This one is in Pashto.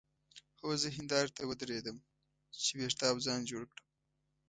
هو زه هندارې ته ودرېدم چې وېښته او ځان جوړ کړم.